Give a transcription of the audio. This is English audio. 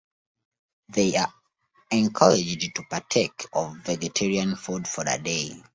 They are encouraged to partake of vegetarian food for the day.